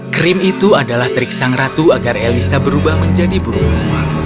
krim itu adalah trik sang ratu agar elisa berubah menjadi burung